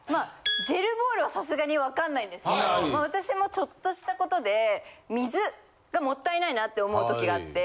ジェルボールはさすがにわかんないですけど私もちょっとしたことで。って思う時があって。